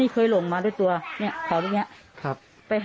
ครับ